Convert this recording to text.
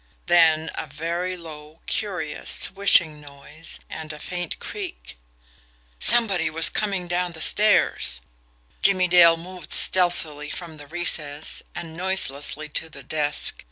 Then a very low, curious, swishing noise, and a faint creak. SOMEBODY WAS COMING DOWN THE STAIRS! Jimmie Dale moved stealthily from the recess, and noiselessly to the desk.